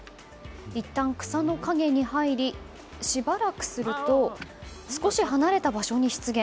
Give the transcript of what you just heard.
いったん草の影に入りしばらくすると少し離れた場所に出現。